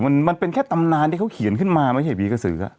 มันมันเป็นแค่ตำนานที่เขาเขียนขึ้นมาไม่ใช่ผีกระสือ